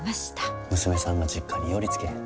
娘さんが実家に寄りつけへんて。